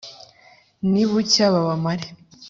Nibucya babamare